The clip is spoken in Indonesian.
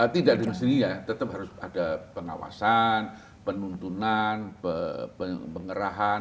tidak dengan sendirinya tetap harus ada pengawasan penuntunan pengerahan